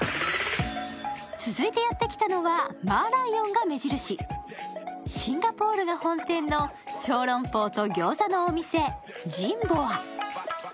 続いてやってきたのは、マーライオンが目印、シンガポールが本店の小籠包と餃子のお店京華小吃。